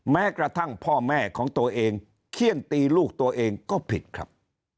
แม้กระทั่งพ่อแม่ของตัวเองเขี้ยนตีลูกตัวเองก็ผิดครับ